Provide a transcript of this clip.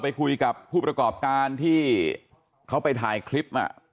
ไปคุยกับผู้ประกอบการที่เขาไปถ่ายคลิป